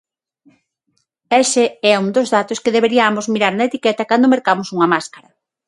Ese é un dos datos que deberiamos mirar na etiqueta cando mercamos unha máscara.